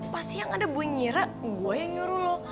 pasti yang ada gue nyira gue yang nyuruh lo